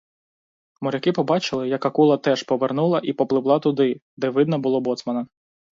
Моряки побачили, як акула теж повернула і попливла туди, де видно було боцмана.